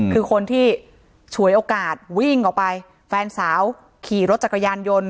คือคนที่ฉวยโอกาสวิ่งออกไปแฟนสาวขี่รถจักรยานยนต์